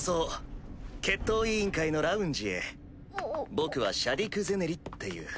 僕はシャディク・ゼネリっていう。